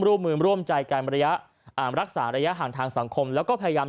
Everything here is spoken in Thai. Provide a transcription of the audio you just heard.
ร่วมมือร่วมใจการระยะอ่ารักษาระยะห่างทางสังคมแล้วก็พยายาม